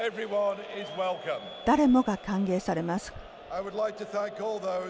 誰もが歓迎されます。